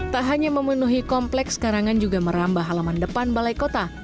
tak hanya memenuhi kompleks karangan juga merambah halaman depan balai kota